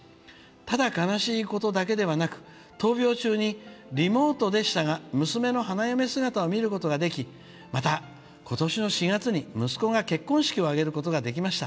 ただ、悲しいことだけではなく闘病中にリモートでしたが娘の花嫁姿を見ることができまた、今年の４月に息子が結婚式を挙げることができました。